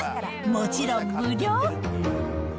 もちろん無料。